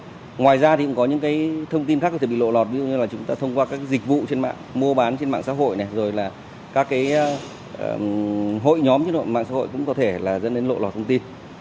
và ngoài ra thì cũng có những thông tin khác có thể bị lộ lọt ví dụ như là chúng ta thông qua các dịch vụ trên mạng mua bán trên mạng xã hội rồi là các hội nhóm trên mạng xã hội cũng có thể dẫn đến lộ lọt thông tin